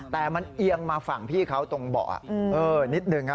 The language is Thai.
แต่มันเอียงมาฝั่งพี่เขาตรงเบาะนิดนึง